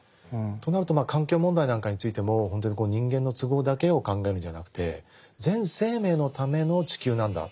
となるとまあ環境問題なんかについても本当に人間の都合だけを考えるんじゃなくて全生命のための地球なんだ。